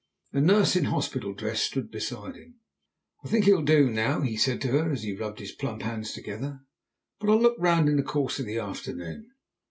A nurse in hospital dress stood beside him. "I think he'll do now," he said to her as he rubbed his plump hands together; "but I'll look round in the course of the afternoon."